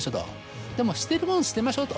捨てるもの捨てましょうと。